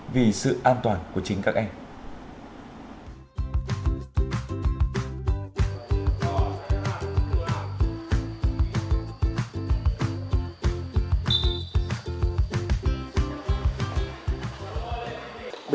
vì sự an toàn của chính các em